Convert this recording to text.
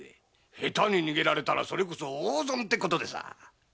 下手に逃げられたらそれこそ大損でさあ。